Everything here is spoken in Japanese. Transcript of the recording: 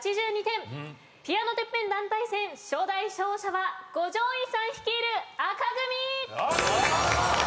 ピアノＴＥＰＰＥＮ団体戦初代勝者は五条院さん率いる赤組！